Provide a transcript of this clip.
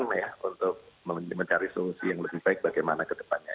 ya untuk mencari solusi yang lebih baik bagaimana ke depannya